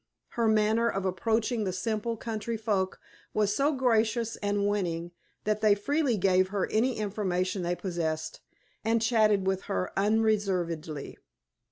Her manner of approaching the simple country folk was so gracious and winning that they freely gave her any information they possessed, and chatted with her unreservedly.